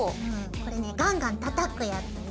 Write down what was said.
これねガンガンたたくヤツね。